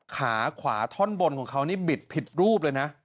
ขาขวาท่อนบนของเขานี่บิดผิดรูปเลยนะ